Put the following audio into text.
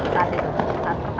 kalian lakukan apa